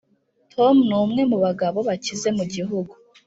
tom ni umwe mu bagabo bakize mu gihugu.